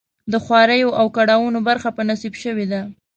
د خواریو او کړاوونو برخه په نصیب شوې ده.